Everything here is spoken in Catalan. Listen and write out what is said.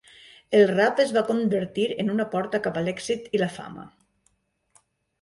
El rap es va convertir en una porta cap a l'èxit i la fama.